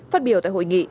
phát biểu tại hội nghị